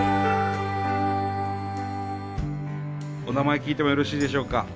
お名前聞いてもよろしいでしょうか？